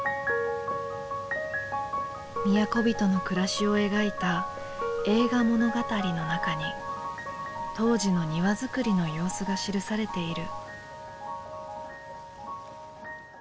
都人の暮らしを描いた「栄花物語」の中に当時の庭造りの様子が記されている。